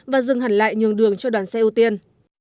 và dừng hẳn lại nhường đường cho đoàn xe ưu tiên